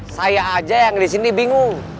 saya aja yang disini bingung